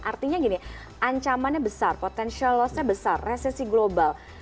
artinya gini ancamannya besar potensial lossnya besar resesi global